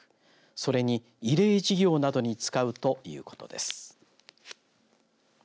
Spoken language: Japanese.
それに、慰霊事業などに使うということです。